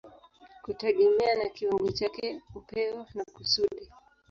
kutegemea na kiwango chake, upeo na kusudi.